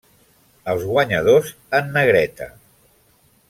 Els guanyadors en negreta.